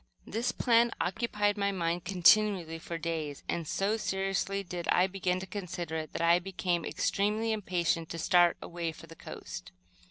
This plan occupied my mind continually for days, and, so seriously did I begin to consider it, that I became extremely impatient to start away for the coast.